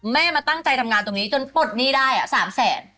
แม่มาตั้งใจทำงานตรงนี้จนปลดหนี้ได้๓แสน